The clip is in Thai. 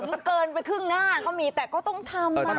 มันเกินไปครึ่งหน้าก็มีแต่ก็ต้องทำ